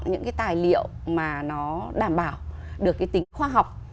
những cái tài liệu mà nó đảm bảo được cái tính khoa học